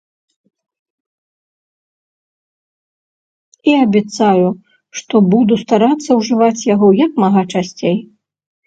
І абяцаю, што буду старацца ўжываць яго як мага часцей.